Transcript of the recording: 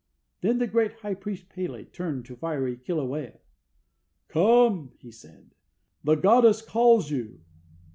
Then the great high priest of P├®l├® turned to fiery Kilauea. "Come!" he said, "the goddess calls you!"